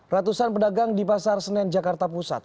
ratusan pedagang di pasar senen jakarta pusat